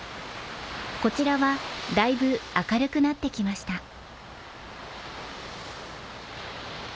こちらはだいぶ明るくなってきました。